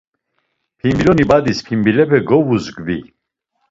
Pimbiloni badis pimbilepe govuzgvi.